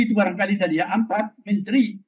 itu barangkali tadi ya empat menteri